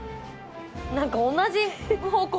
何か同じ方向